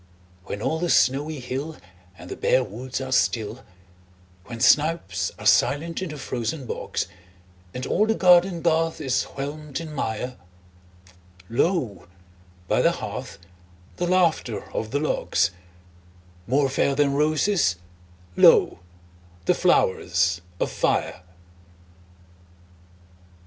When all the snowy hill And the bare woods are still; When snipes are silent in the frozen bogs, And all the garden garth is whelmed in mire, Lo, by the hearth, the laughter of the logs— More fair than roses, lo, the flowers of fire!